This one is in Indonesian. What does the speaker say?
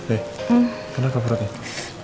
eh kenapa perutnya